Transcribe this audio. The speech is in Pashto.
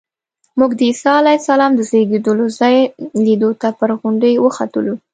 موږ د عیسی علیه السلام د زېږېدلو ځای لیدو ته پر غونډۍ وختلو.